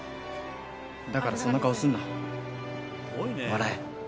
だからそんな顔すんな、笑え。